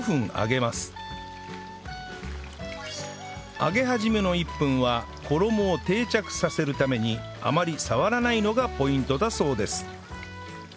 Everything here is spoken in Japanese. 揚げ始めの１分は衣を定着させるためにあまり触らないのがポイントだそうです